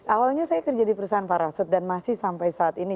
awalnya saya kerja di perusahaan parasut dan masih sampai saat ini